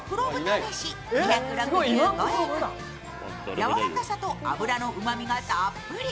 やわらかさと脂のうまみがたっぷり。